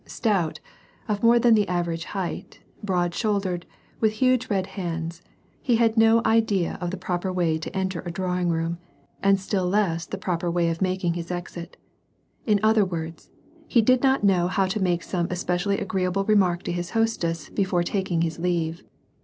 Stout, of more than the average height, broad shouldered, with huge red hands, he had no idea of the proper way to enter a draw ing room, and still less the proper way of making his exit ; in other words he did not know how to make some especially agreeable remark to his hostess before taking his leave.